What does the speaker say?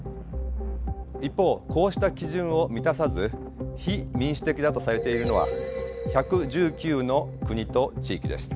一方こうした基準を満たさず非民主的だとされているのは１１９の国と地域です。